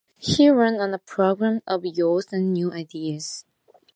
He ran on a program of youth and new ideas.